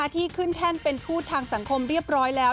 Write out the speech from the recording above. ที่ขึ้นแท่นเป็นทูตทางสังคมเรียบร้อยแล้ว